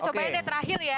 cobain deh terakhir ya